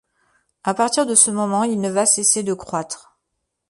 À partir de ce moment, il ne va cesser de croître.